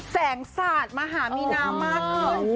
แสงสาดมหามีนามากขึ้น